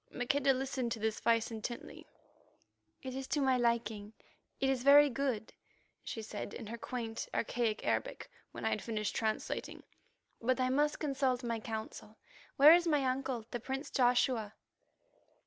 Maqueda listened to this advice intently. "It is to my liking; it is very good," she said in her quaint archaic Arabic when I had finished translating. "But I must consult my Council. Where is my uncle, the prince Joshua?"